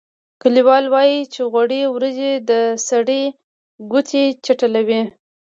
لیکوال وايي چې غوړې وریجې د سړي ګوتې چټلوي.